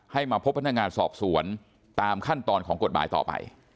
มาพบพนักงานสอบสวนตามขั้นตอนของกฎหมายต่อไป